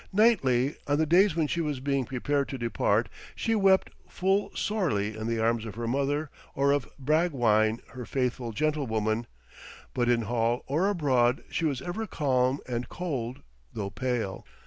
Nightly, on the days when she was being prepared to depart, she wept full sorely in the arms of her mother or of Bragwine her faithful gentlewoman; but in hall or abroad she was ever calm and cold, though pale.